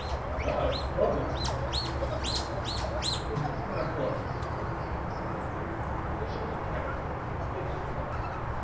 "A large promise," muttered the king. "It is my promise," she answered decidedly, "and it shall be kept at any cost.